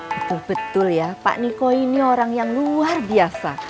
betul betul ya pak niko ini orang yang luar biasa